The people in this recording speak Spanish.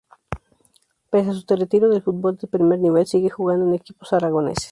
Pese a su retiro del fútbol de primer nivel, sigue jugando en equipos aragoneses.